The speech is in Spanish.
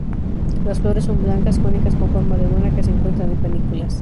Las flores son blancas, cónicas con forma de urna, que se encuentran en panículas.